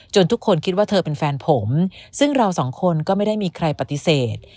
ทุกคนคิดว่าเธอเป็นแฟนผมซึ่งเราสองคนก็ไม่ได้มีใครปฏิเสธ